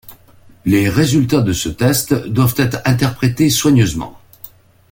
Les résultats de ce test doivent être interprétés soigneusement.